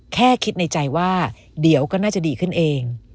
แค่คิดในใจว่าเดี๋ยวก็น่าจะดีขึ้นเอง